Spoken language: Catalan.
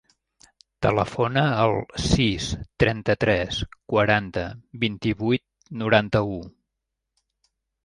Telefona al sis, trenta-tres, quaranta, vint-i-vuit, noranta-u.